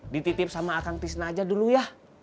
dititip sama akang tisna aja dulu ya